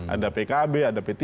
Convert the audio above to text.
ada pkb ada p tiga